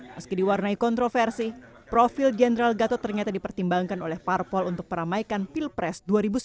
meski diwarnai kontroversi profil jenderal gatot ternyata dipertimbangkan oleh parpol untuk peramaikan pilpres dua ribu sembilan belas